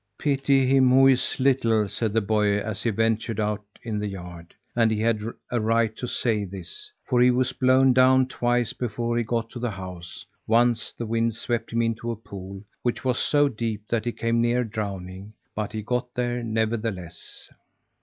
"Pity him who is little!" said the boy as he ventured out in the yard. And he had a right to say this, for he was blown down twice before he got to the house: once the wind swept him into a pool, which was so deep that he came near drowning. But he got there nevertheless.